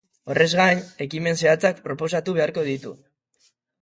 Horrez gain, ekimen zehatzak proposatu beharko ditu.